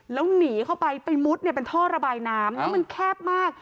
แล้วหนีเข้าไปไปมุดเนี่ยเป็นท่อระบายน้ำแล้วมันแคบมาก